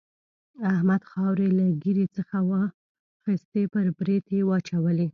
احمد خاورې له ږيرې څخه واخيستې پر برېت يې واچولې.